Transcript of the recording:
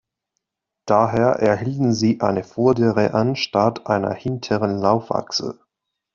Daher erhielten sie eine vordere anstatt einer hinteren Laufachse.